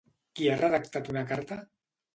Qui ha redactat una carta?